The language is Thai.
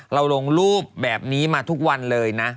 ลงรูปแบบนี้มาทุกวันเลยนะ